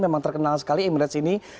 memang terkenal sekali imret ini